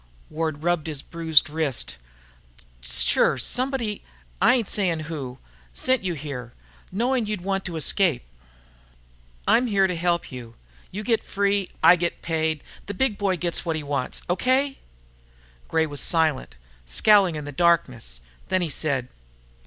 Ward rubbed his bruised wrist. "Sure, somebody I ain't sayin' who sent you here, knowin' you'd want to escape. I'm here to help you. You get free, I get paid, the Big Boy gets what he wants. Okay?" Gray was silent, scowling in the darkness. Then he said.